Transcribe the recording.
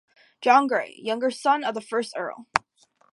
John Grey, younger son of the first Earl.